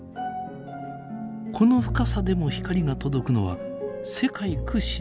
この深さでも光が届くのは世界屈指の透明度だからこそ。